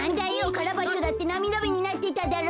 カラバッチョだってなみだめになってただろ。